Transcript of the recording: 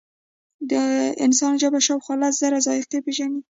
د انسان ژبه شاوخوا لس زره ذایقې پېژني.